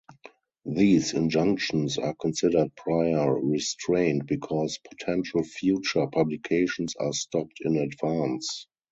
These injunctions are considered prior restraint because potential future publications are stopped in advance.